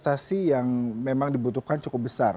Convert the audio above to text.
apakah ini investasi yang memang dibutuhkan cukup besar